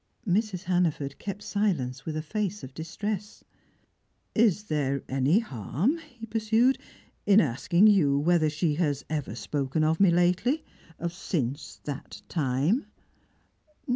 Mrs. Hannaford kept silence with a face of distress. "Is there any harm," he pursued, "in asking you whether she has ever spoken of me lately since that time?"